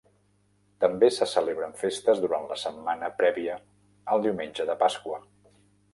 També se celebren festes durant la setmana prèvia al Diumenge de Pasqua.